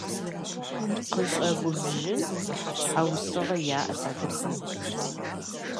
КъыщӀэгубжьын щхьэусыгъуэ яӀэт абыхэм.